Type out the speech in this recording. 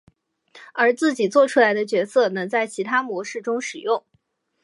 而自己作出来的角色能在其他的模式中使用。